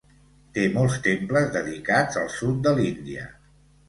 Té molts temples dedicats al sud de l'Índia.